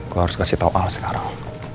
gue harus kasih tau apa sekarang